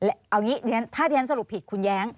เอาอย่างนี้ถ้าที่ฉันสรุปผิดคุณแย้ง